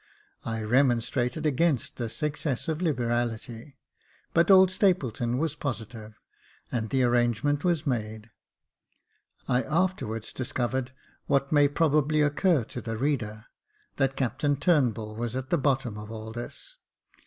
I remonstrated against this excess of liberality ; but old Stapleton was positive, and the arrangement was made. I afterwards discovered, what may probably occur to the reader, that Captain Turnbull was at the bottom of all this.